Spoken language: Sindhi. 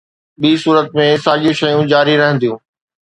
ٻي صورت ۾، ساڳيون شيون جاري رهنديون.